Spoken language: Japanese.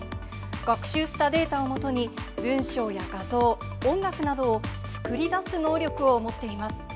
学習したデータをもとに、文章や画像、音楽などを作り出す能力を持っています。